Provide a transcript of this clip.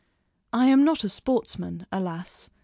I am not a sportsman, alas!